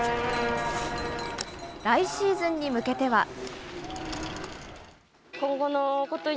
来シーズンに向けては。